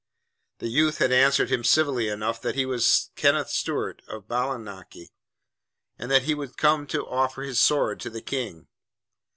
The youth had answered him civilly enough that he was Kenneth Stewart of Bailienochy, and that he was come to offer his sword to the King.